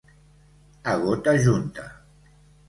A gota junta.